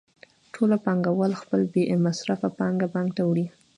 ټول پانګوال خپله بې مصرفه پانګه بانک ته وړي